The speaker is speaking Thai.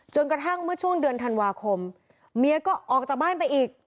กระทั่งเมื่อช่วงเดือนธันวาคมเมียก็ออกจากบ้านไปอีก